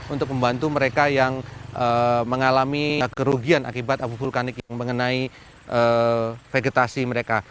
untuk membantu mereka yang mengalami kerugian akibat abu vulkanik yang mengenai vegetasi mereka